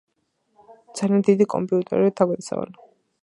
ძალიან დიდი კომპიუტერული თავგადასავალი.